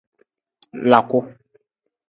Laku.